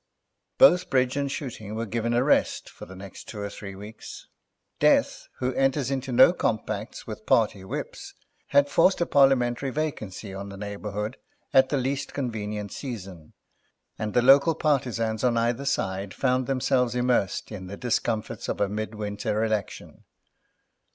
Both bridge and shooting were given a rest for the next two or three weeks. Death, who enters into no compacts with party whips, had forced a Parliamentary vacancy on the neighbourhood at the least convenient season, and the local partisans on either side found themselves immersed in the discomforts of a mid winter election.